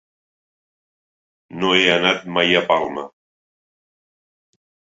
No he anat mai a Palma.